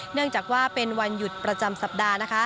เนื่องจากว่าเป็นวันหยุดประจำสัปดาห์นะคะ